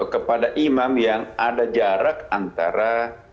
kepada imam yang ada jarak antara